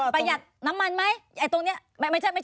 ประหยัดน้ำมันไหม